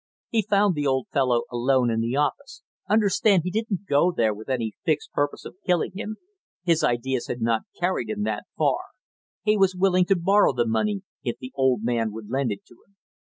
He found the old fellow alone in the office understand, he didn't go there with any fixed purpose of killing him, his ideas had not carried him that far he was willing to borrow the money if the old man would lend it to him.